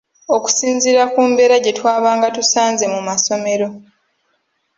Okusinziira ku mbeera gye twabanga tusanze mu masomero.